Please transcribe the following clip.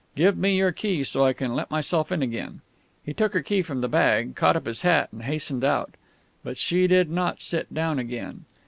Give me your key, so I can let myself in again " He took her key from her bag, caught up his hat, and hastened out. But she did not sit down again.